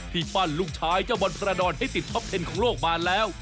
ปั้นลูกชายเจ้าบอลประดอนให้ติดท็อปเทนของโลกมาแล้ว